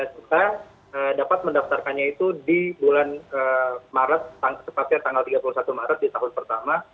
kita dapat mendaftarkannya itu di bulan maret secepatnya tanggal tiga puluh satu maret di tahun pertama